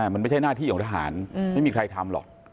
มันไม่ใช่หน้าที่ของทหารไม่มีใครทำหรอก